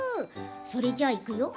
それじゃあ、いくよ！